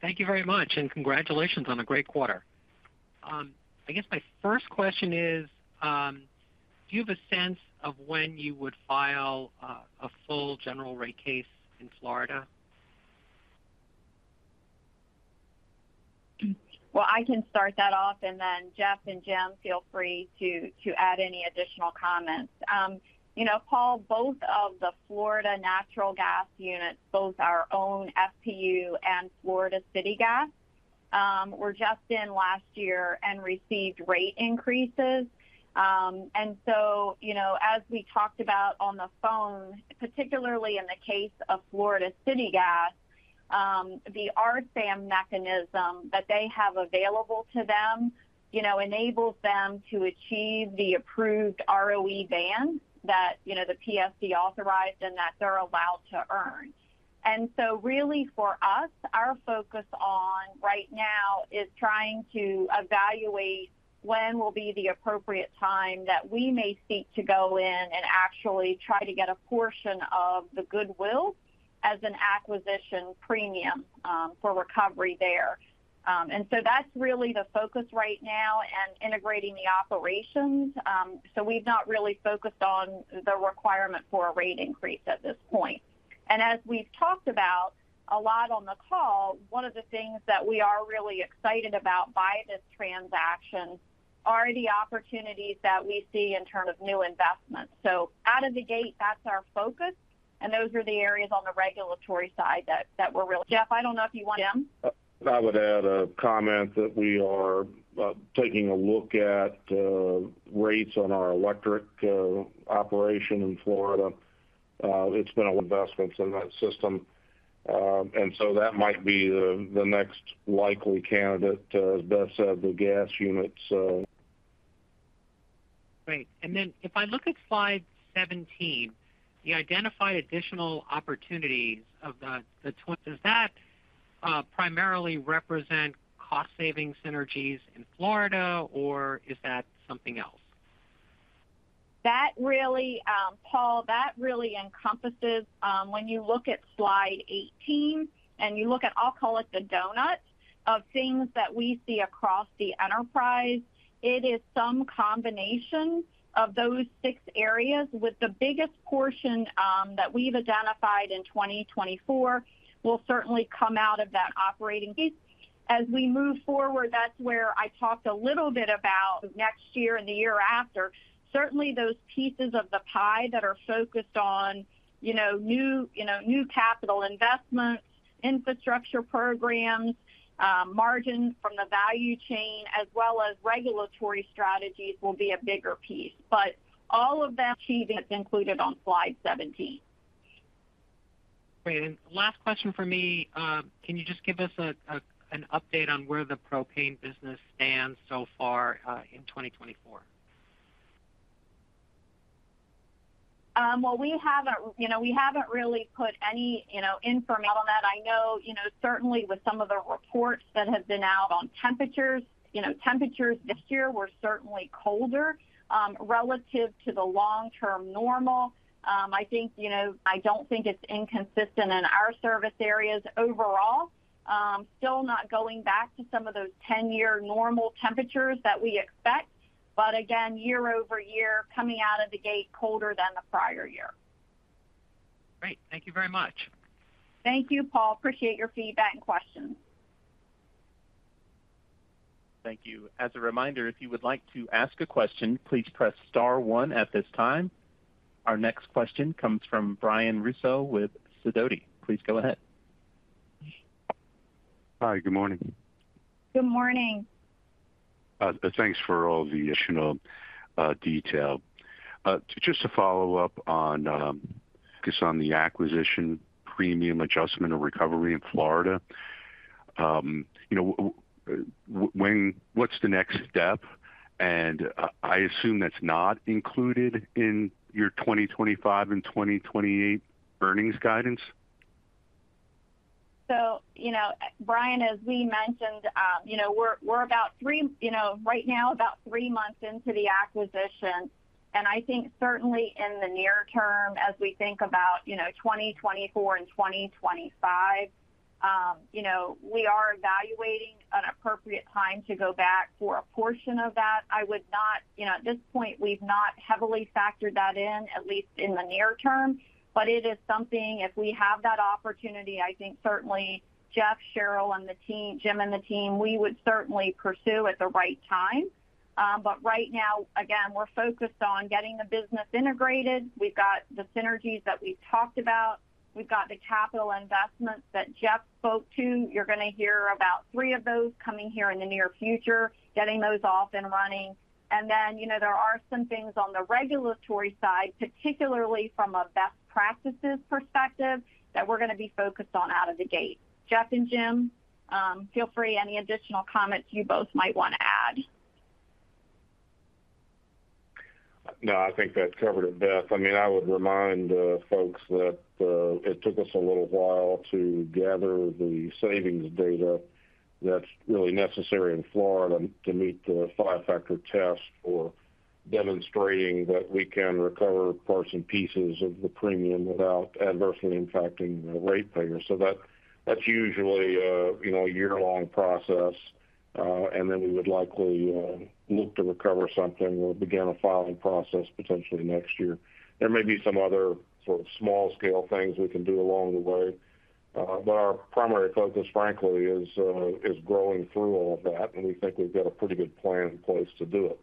Thank you very much, and congratulations on a great quarter. I guess my first question is, do you have a sense of when you would file a full general rate case in Florida? Well, I can start that off, and then Jeff and Jim, feel free to add any additional comments. You know, Paul, both of the Florida natural gas units, both our own FPU and Florida City Gas, were just in last year and received rate increases. And so, you know, as we talked about on the phone, particularly in the case of Florida City Gas, the RSAM mechanism that they have available to them, you know, enables them to achieve the approved ROE band that, you know, the PSC authorized and that they're allowed to earn. And so really for us, our focus on right now is trying to evaluate when will be the appropriate time that we may seek to go in and actually try to get a portion of the goodwill as an acquisition premium, for recovery there. And so that's really the focus right now and integrating the operations. So we've not really focused on the requirement for a rate increase at this point. And as we've talked about a lot on the call, one of the things that we are really excited about by this transaction are the opportunities that we see in terms of new investments. So out of the gate, that's our focus, and those are the areas on the regulatory side that, that we're really Jeff, I don't know if you want Jim? I would add a comment that we are taking a look at rates on our electric operation in Florida. It's been a investments in that system, and so that might be the next likely candidate, as Beth said, the gas units. So. Great. And then if I look at slide 17, you identify additional opportunities of the twenty. Does that primarily represent cost-saving synergies in Florida, or is that something else? That really, Paul, that really encompasses, when you look at slide 18 and you look at, I'll call it the donut of things that we see across the enterprise, it is some combination of those six areas, with the biggest portion, that we've identified in 2024 will certainly come out of that operating piece. As we move forward, that's where I talked a little bit about next year and the year after. Certainly, those pieces of the pie that are focused on, you know, new, you know, new capital investments, infrastructure programs, margins from the value chain, as well as regulatory strategies will be a bigger piece. But all of that achievement is included on slide 17. Great. And last question for me, can you just give us an update on where the propane business stands so far, in 2024? Well, we haven't, you know, we haven't really put any, you know, info on that. I know, you know, certainly with some of the reports that have been out on temperatures, you know, temperatures this year were certainly colder, relative to the long-term normal. I think, you know, I don't think it's inconsistent in our service areas overall. Still not going back to some of those ten-year normal temperatures that we expect, but again, year-over-year, coming out of the gate colder than the prior year. Great. Thank you very much. Thank you, Paul. Appreciate your feedback and questions. Thank you. As a reminder, if you would like to ask a question, please press star one at this time. Our next question comes from Brian Russo with Sidoti. Please go ahead. Hi, good morning. Good morning. Thanks for all the additional detail. Just to follow up on focus on the acquisition premium adjustment or recovery in Florida. You know, when, what's the next step? And I assume that's not included in your 2025 and 2028 earnings guidance. So, you know, Brian, as we mentioned, you know, we're, we're about three, you know, right now, about three months into the acquisition, and I think certainly in the near term, as we think about, you know, 2024 and 2025, you know, we are evaluating an appropriate time to go back for a portion of that. I would not. You know, at this point, we've not heavily factored that in, at least in the near term, but it is something if we have that opportunity, I think certainly Jeff, Cheryl and the team, Jim and the team, we would certainly pursue at the right time. But right now, again, we're focused on getting the business integrated. We've got the synergies that we've talked about. We've got the capital investments that Jeff spoke to. You're going to hear about three of those coming here in the near future, getting those off and running. And then, you know, there are some things on the regulatory side, particularly from a best practices perspective, that we're going to be focused on out of the gate. Jeff and Jim, feel free, any additional comments you both might want to add? No, I think that covered it, Beth. I mean, I would remind, folks that, it took us a little while to gather the savings data that's really necessary in Florida to meet the five-factor test for demonstrating that we can recover parts and pieces of the premium without adversely impacting the ratepayer. So that, that's usually a, you know, a year-long process, and then we would likely, look to recover something or begin a filing process potentially next year. There may be some other sort of small-scale things we can do along the way, but our primary focus, frankly, is, is growing through all of that, and we think we've got a pretty good plan in place to do it.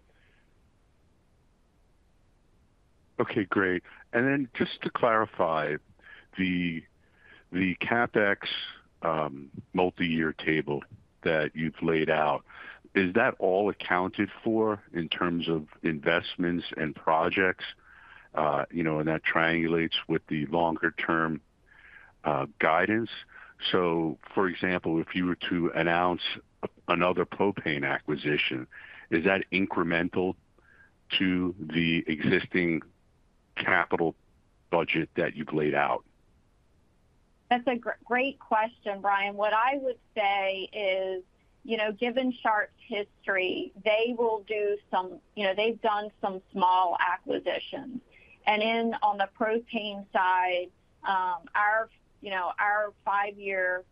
Okay, great. And then just to clarify, the CapEx multiyear table that you've laid out, is that all accounted for in terms of investments and projects, you know, and that triangulates with the longer-term guidance? So for example, if you were to announce another propane acquisition, is that incremental to the existing capital budget that you've laid out? That's a great question, Brian. What I would say is, you know, given Sharp's history, they will do some, you know, they've done some small acquisitions. And on the propane side, our, you know, our five-year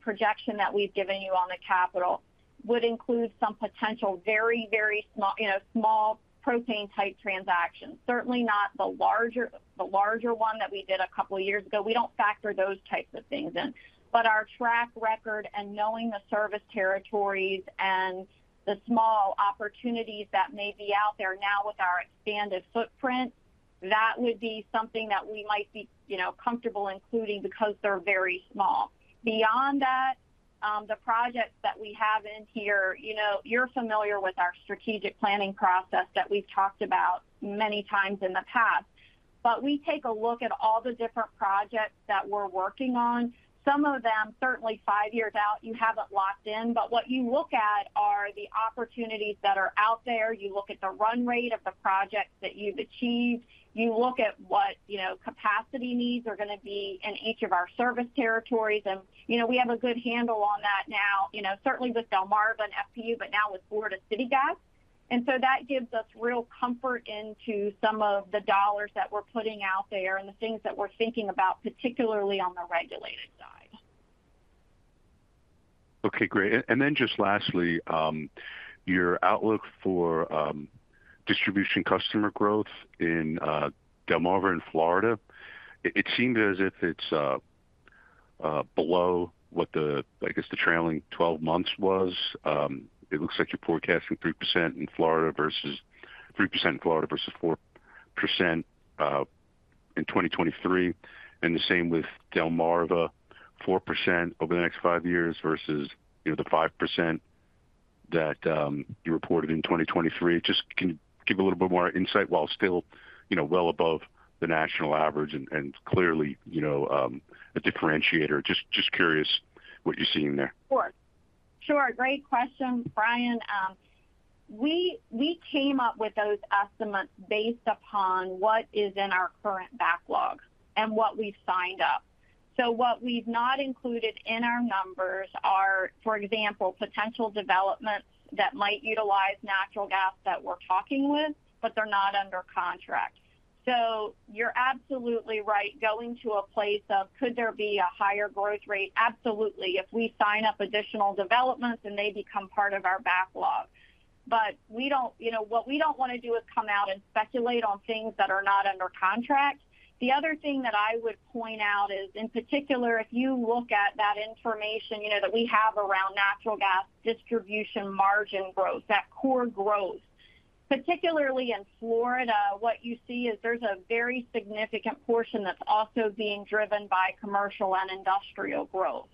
projection that we've given you on the capital would include some potential very, very small, you know, small propane-type transactions. Certainly not the larger, the larger one that we did a couple of years ago. We don't factor those types of things in. But our track record and knowing the service territories and the small opportunities that may be out there now with our expanded footprint, that would be something that we might be, you know, comfortable including because they're very small. Beyond that, the projects that we have in here, you know, you're familiar with our strategic planning process that we've talked about many times in the past. But we take a look at all the different projects that we're working on. Some of them, certainly five years out, you haven't locked in, but what you look at are the opportunities that are out there. You look at the run rate of the projects that you've achieved, you look at what, you know, capacity needs are going to be in each of our service territories. And, you know, we have a good handle on that now, you know, certainly with Delmarva and FPU, but now with Florida City Gas. And so that gives us real comfort into some of the dollars that we're putting out there and the things that we're thinking about, particularly on the regulated side. Okay, great. And then just lastly, your outlook for distribution customer growth in Delmarva and Florida, it seemed as if it's below what the, I guess, the trailing twelve months was. It looks like you're forecasting 3% in Florida versus—3% in Florida versus 4% in 2023. And the same with Delmarva, 4% over the next five years versus, you know, the 5% that you reported in 2023. Just can you give a little bit more insight while still, you know, well above the national average and clearly, you know, a differentiator? Just curious what you're seeing there. Sure. Sure. Great question, Brian. We came up with those estimates based upon what is in our current backlog and what we've signed up. So what we've not included in our numbers are, for example, potential developments that might utilize natural gas that we're talking with, but they're not under contract. So you're absolutely right. Going to a place of could there be a higher growth rate? Absolutely. If we sign up additional developments, then they become part of our backlog. But we don't, you know, what we don't want to do is come out and speculate on things that are not under contract. The other thing that I would point out is, in particular, if you look at that information, you know, that we have around natural gas distribution margin growth, that core growth, particularly in Florida, what you see is there's a very significant portion that's also being driven by commercial and industrial growth.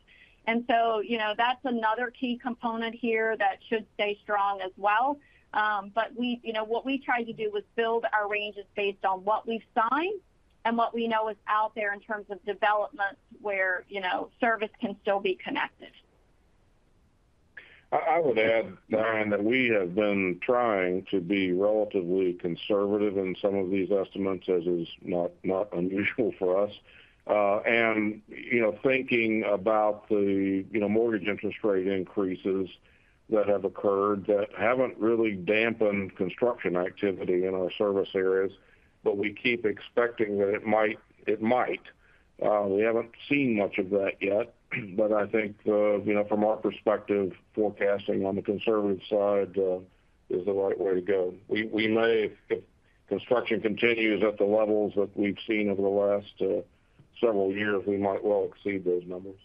And so, you know, that's another key component here that should stay strong as well. But, you know, what we tried to do was build our ranges based on what we've signed and what we know is out there in terms of developments where, you know, service can still be connected. I, I would add, Brian, that we have been trying to be relatively conservative in some of these estimates, as is not, not unusual for us. You know, thinking about the, you know, mortgage interest rate increases that have occurred, that haven't really dampened construction activity in our service areas, but we keep expecting that it might, it might. We haven't seen much of that yet, but I think, you know, from our perspective, forecasting on the conservative side, is the right way to go. We, we may, if construction continues at the levels that we've seen over the last, several years, we might well exceed those numbers.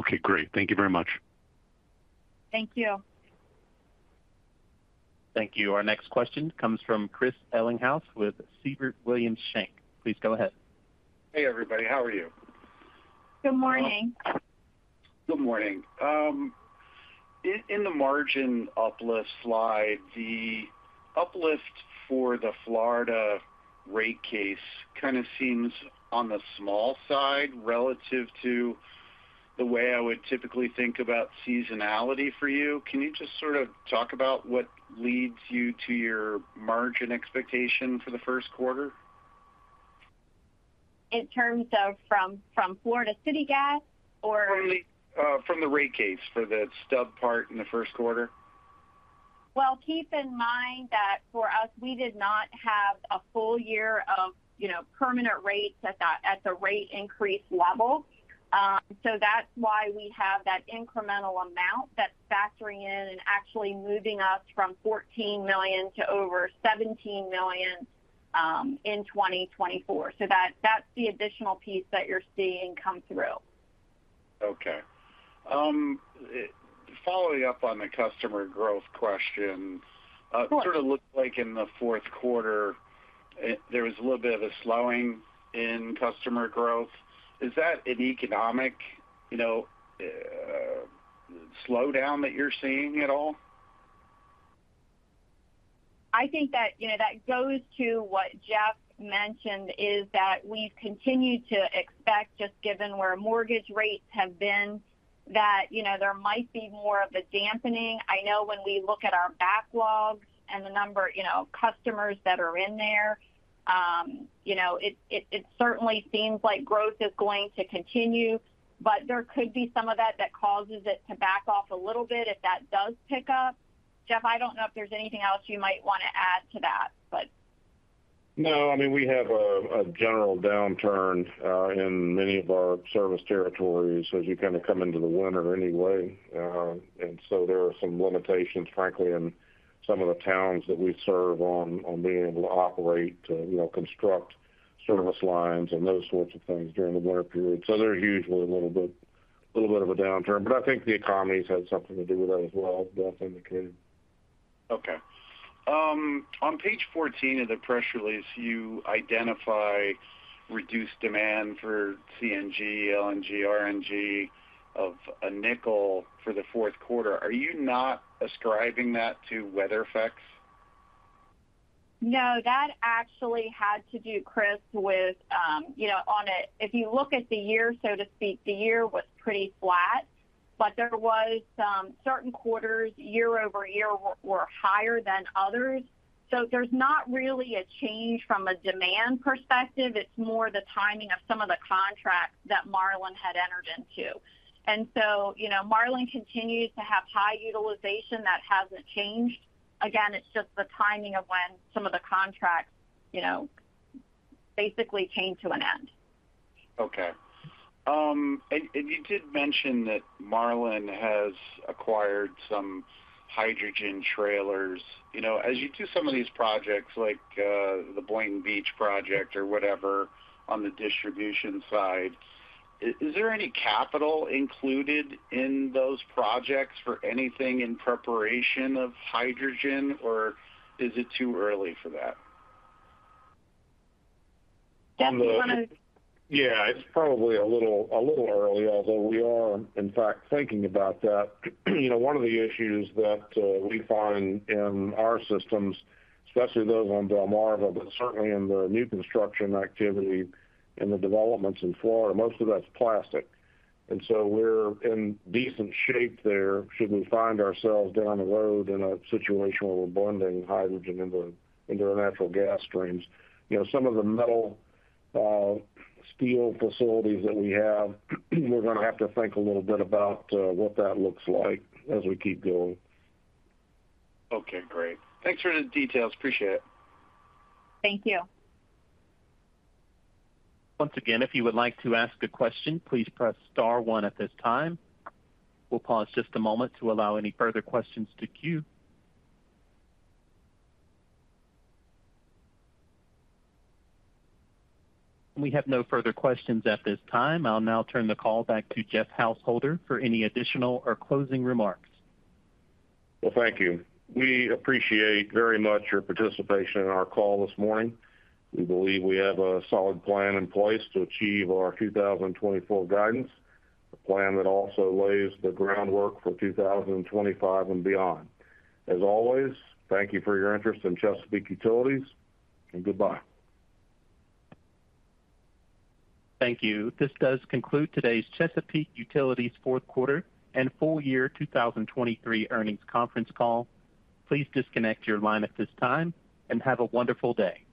Okay, great. Thank you very much. Thank you. Thank you. Our next question comes from Chris Ellinghaus with Siebert Williams Shank. Please go ahead. Hey, everybody. How are you? Good morning. Good morning. In the margin uplift slide, the uplift for the Florida rate case kind of seems on the small side relative to the way I would typically think about seasonality for you. Can you just sort of talk about what leads you to your margin expectation for the first quarter? In terms of from Florida City Gas, or? From the rate case for the stub part in the first quarter. Well, keep in mind that for us, we did not have a full year of, you know, permanent rates at the rate increase level. So that's why we have that incremental amount that's factoring in and actually moving us from $14 million to over $17 million in 2024. So that's the additional piece that you're seeing come through. Okay. Following up on the customer growth question, Sure. Sort of looked like in the fourth quarter, there was a little bit of a slowing in customer growth. Is that an economic, you know, slowdown that you're seeing at all? I think that, you know, that goes to what Jeff mentioned, is that we've continued to expect, just given where mortgage rates have been, that, you know, there might be more of a dampening. I know when we look at our backlogs and the number, you know, of customers that are in there, it certainly seems like growth is going to continue, but there could be some of that that causes it to back off a little bit if that does pick up. Jeff, I don't know if there's anything else you might want to add to that, but. No, I mean, we have a general downturn in many of our service territories as you kind of come into the winter anyway. And so there are some limitations, frankly, in some of the towns that we serve on being able to operate to, you know, construct service lines and those sorts of things during the winter period. So they're usually a little bit, little bit of a downturn, but I think the economy's had something to do with that as well, as Beth indicated. Okay. On page 14 of the press release, you identify reduced demand for CNG, LNG, RNG of $0.05 for the fourth quarter. Are you not ascribing that to weather effects? No, that actually had to do, Chris, with, you know, on a—if you look at the year, so to speak, the year was pretty flat, but there was some certain quarters year-over-year were higher than others. So there's not really a change from a demand perspective, it's more the timing of some of the contracts that Marlin had entered into. And so, you know, Marlin continues to have high utilization. That hasn't changed. Again, it's just the timing of when some of the contracts, you know, basically came to an end. Okay. And you did mention that Marlin has acquired some hydrogen trailers. You know, as you do some of these projects, like the Boynton Beach project or whatever, on the distribution side, is there any capital included in those projects for anything in preparation of hydrogen, or is it too early for that? Jeff, do you want to. Yeah, it's probably a little, a little early, although we are in fact thinking about that. You know, one of the issues that we find in our systems, especially those on Delmarva, but certainly in the new construction activity and the developments in Florida, most of that's plastic. And so we're in decent shape there should we find ourselves down the road in a situation where we're blending hydrogen into, into our natural gas streams. You know, some of the metal steel facilities that we have, we're gonna have to think a little bit about what that looks like as we keep going. Okay, great. Thanks for the details. Appreciate it. Thank you. Once again, if you would like to ask a question, please press star one at this time. We'll pause just a moment to allow any further questions to queue. We have no further questions at this time. I'll now turn the call back to Jeff Householder for any additional or closing remarks. Well, thank you. We appreciate very much your participation in our call this morning. We believe we have a solid plan in place to achieve our 2024 guidance, a plan that also lays the groundwork for 2025 and beyond. As always, thank you for your interest in Chesapeake Utilities, and goodbye. Thank you. This does conclude today's Chesapeake Utilities fourth quarter and full year 2023 earnings conference call. Please disconnect your line at this time, and have a wonderful day.